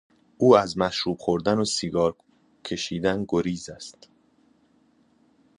او از مشروب خوردن و سیگار کشیدن گریز است.